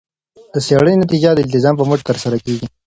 د څیړنې نتیجه د الالتزام په مټ ترلاسه کیږي.